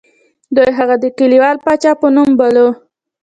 دوی هغه د کلیوال پاچا په نوم باله.